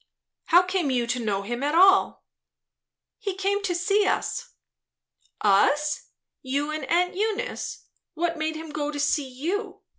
"How came you to know him at all?" "He came to see us?" "Us? You and aunt Eunice? What made him go to see you?